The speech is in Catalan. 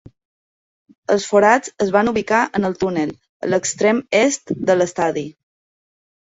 Els forats es van ubicar en el túnel, a l'extrem est de l'estadi.